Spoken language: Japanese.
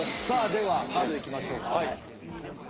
さあではカードいきましょうか。